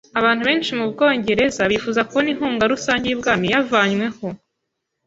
Abantu benshi mu Bwongereza bifuza kubona inkunga rusange y’ubwami yavanyweho